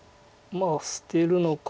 まあ捨てるのか。